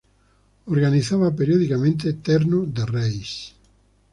Organizaba periódicamente Terno de Reis.